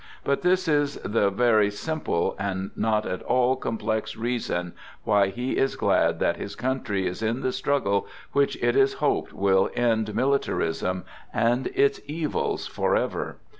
But this is the very simple and not at all complex reason why he is glad that his country is in the struggle which it is hoped will end militarism and its evils forever.